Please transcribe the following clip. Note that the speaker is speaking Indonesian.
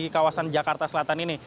kawasan jakarta selatan ini